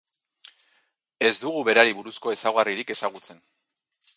Ez dugu berari buruzko ezaugarririk ezagutzen.